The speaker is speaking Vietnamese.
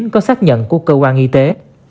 có xác nhận của cơ quan y tế